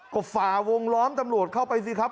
ก็ฝ่าวงล้อมตำรวจเข้าไปสิครับ